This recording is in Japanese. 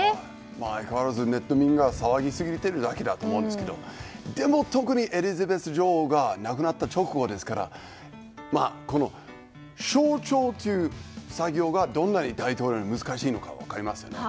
相変わらずネット民が騒ぎすぎているだけだと思いますけどでも、特にエリザベス女王が亡くなった直後ですからこの象徴という作業がどんなに大統領にとって難しいかが分かりますね。